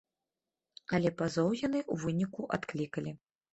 Але пазоў яны ў выніку адклікалі.